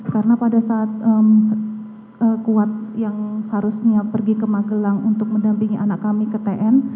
karena pada saat kuat yang harusnya pergi ke magelang untuk mendampingi anak kami ke tn